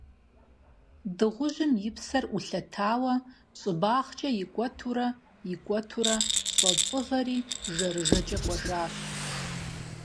Дыгъужьым и псэр Ӏулъэтауэ, щӀыбагъкӀэ икӀуэтурэ, икӀуэтурэ щӀэцӀывэри жэрыжэкӀэ кӀуэжащ.